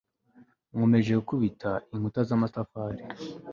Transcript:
nkomeje gukubita inkuta z'amatafari